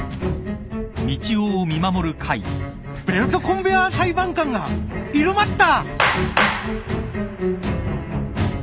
「ベルトコンベアー裁判官が入間った！！」